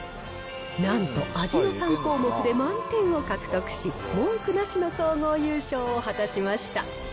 なんと、味の３項目で満点を獲得し、文句なしの総合優勝を果たしました。